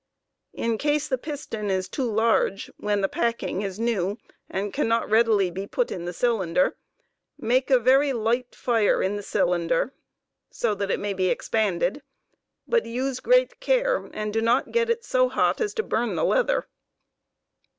In case the piston is too large, when the packing is new and cannot readily be put in the cylinder* make a very light fire in the cylinder, so that it may be expanded ; but use great care, and do not get it so ho as to burn the leather.